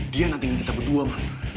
dia nantangin kita berdua mohon